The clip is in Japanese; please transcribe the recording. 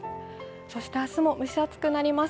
そして明日も蒸し暑くなります。